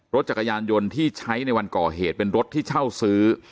รถจักรยานยนต์ที่ใช้ในวันก่อเหตุเป็นรถที่เช่าซื้อ